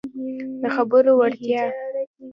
د خبرو وړتیا